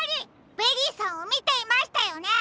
ベリーさんをみていましたよね！